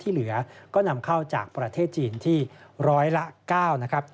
เหลือก็นำเข้าจากประเทศจีนที่ร้อยละ๙นะครับ